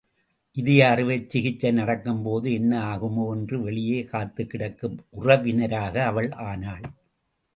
இதய அறுவைச் சிகிச்சை நடக்கும்போது என்ன ஆகுமோ என்று வெளியே காத்துக் கிடக்கும் உறவினராக அவள் ஆனாள்.